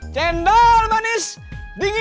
cendol manis dingin